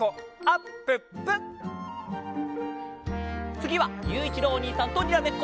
つぎはゆういちろうおにいさんとにらめっこ。